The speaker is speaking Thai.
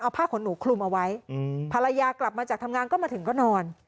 เอาผ้าขนหนูคลุมเอาไว้ภรรยากลับมาจากทำงานก็มาถึงก็นอน